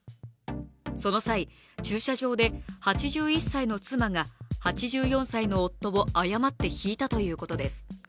その際、駐車場で８１歳の妻が８４歳の夫を誤ってひいたということです。